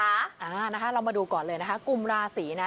อ่านะคะเรามาดูก่อนเลยนะคะกลุ่มราศีนะ